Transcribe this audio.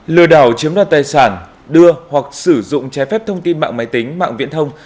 lừa đảo chiếm đoạt tài sản đưa hoặc sử dụng trái phép thông tin mạng máy tính mạng viễn thông